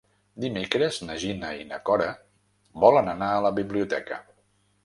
Dimecres na Gina i na Cora volen anar a la biblioteca.